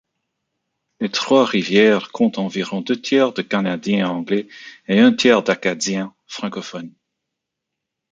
Les Trois-Rivières comptent environ deux-tiers de canadiens-anglais et un tiers d'acadiens, francophones.